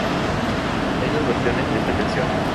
Hay dos versiones de esta canción.